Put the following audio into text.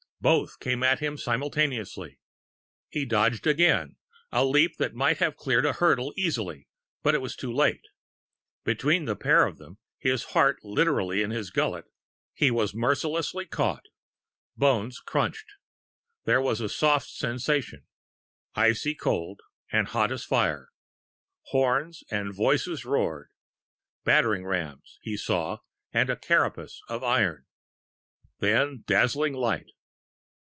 Both came at him simultaneously.... He dodged again a leap that might have cleared a hurdle easily, but was too late. Between the pair of them his heart literally in his gullet he was mercilessly caught.... Bones crunched.... There was a soft sensation, icy cold and hot as fire. Horns and voices roared. Battering rams he saw, and a carapace of iron.... Then dazzling light....